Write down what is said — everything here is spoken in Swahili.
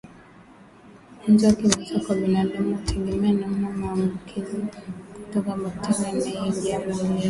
Ugonjwa wa kimeta kwa binadamu hutegemea namna maambukizi kutoka kwa bakteria yanavyoingia mwilini